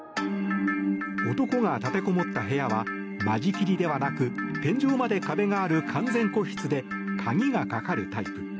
男が立てこもった部屋は間仕切りではなく天井まで壁がある完全個室で鍵がかかるタイプ。